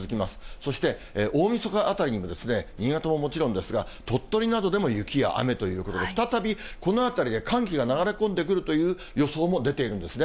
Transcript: そして大みそかあたりにも新潟ももちろんですが、鳥取などでも雪や雨ということで、再びこのあたりで寒気が流れ込んでくるという予想も出ているんですね。